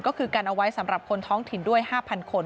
ก็คือกันเอาไว้สำหรับคนท้องถิ่นด้วย๕๐๐คน